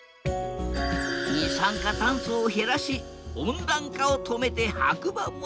二酸化酸素を減らし温暖化を止めて白馬村を守りたい。